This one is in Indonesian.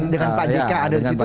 dengan pak jk ada di situ